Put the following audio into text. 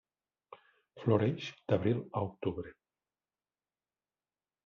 Floreix d'abril a octubre.